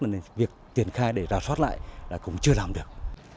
nên việc tiền khai để rao thoát lại cũng chưa làm được